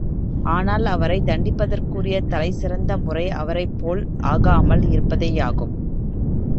ஆனால் அவரைத் தண்டிப்பதற்குரிய தலை சிறந்த முறை அவரைப் போல் ஆகாமல் இருப்பதேயாகும்.